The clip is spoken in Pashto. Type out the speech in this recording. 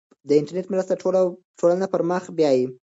د انټرنیټ مرسته ټولنه پرمخ بیايي.